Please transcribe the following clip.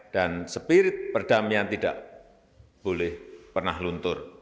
dan spirit perdamaian tidak boleh pernah luntur